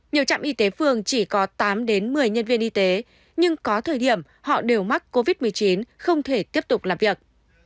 nhiều trạm y tế phường chỉ có tám đến một mươi nhân viên y tế nhưng có thời điểm họ đều mắc covid một mươi chín không thể tiếp tục làm việc